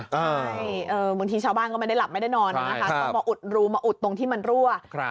ใช่บางทีชาวบ้านก็ไม่ได้หลับไม่ได้นอนนะคะต้องมาอุดรูมาอุดตรงที่มันรั่ว